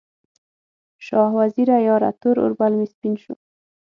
شاه وزیره یاره، تور اوربل مې سپین شو